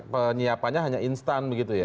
penyiapannya hanya instan begitu ya